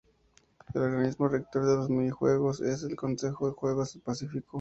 El organismo rector de los minijuegos es el Consejo de Juegos del Pacífico.